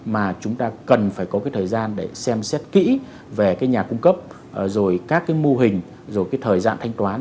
mà chúng ta cần phải có thời gian để xem xét kỹ về nhà cung cấp rồi các mô hình rồi thời gian thanh toán